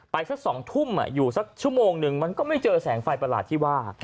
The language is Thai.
สัก๒ทุ่มอยู่สักชั่วโมงหนึ่งมันก็ไม่เจอแสงไฟประหลาดที่ว่า